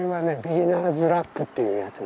ビギナーズラックっていうやつ。